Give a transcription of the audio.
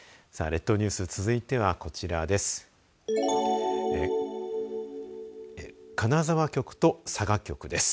列島ニュース続いてはこちらです。